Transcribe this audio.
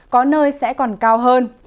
có nơi sẽ còn cao hơn